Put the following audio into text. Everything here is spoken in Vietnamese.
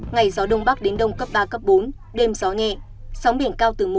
ngày gió đông bắc đến đông cấp ba cấp bốn đêm gió nhẹ sóng biển cao từ một m